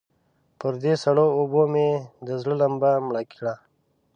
پر دې سړو اوبو مې د زړه لمبه مړه کړه.